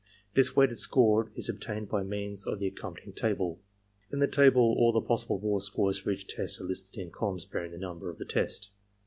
This weighted score is obtained by means of the accompanying table. In the table all the possible raw scores for each test are Usted in columns bearing the number of the test.